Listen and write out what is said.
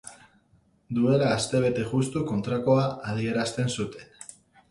Duela astebete justu kontrakoa adierazten zuten.